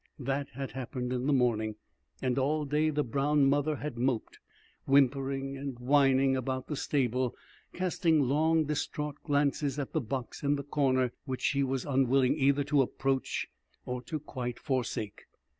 That had happened in the morning; and all day the brown mother had moped, whimpering and whining, about the stable, casting long distraught glances at the box in the corner, which she was unwilling either to approach or to quite forsake.